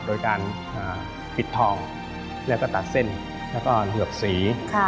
โดยการปิดทองแล้วก็ตัดเส้นแล้วก็เหลือบสี